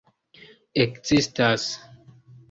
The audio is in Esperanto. ekzistas